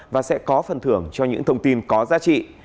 và sẽ có phần thưởng cho những thông tin có giá trị